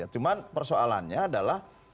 cuman persoalannya adalah